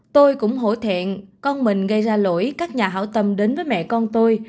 tôi cũng hổ thẹn con mình gây ra lỗi các nhà hảo tâm đến với mẹ con tôi